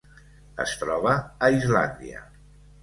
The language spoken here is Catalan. Es troba a Islàndia.